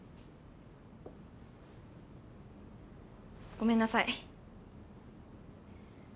ごめんなさい。